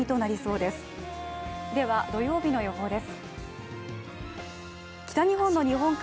では土曜日の予報です。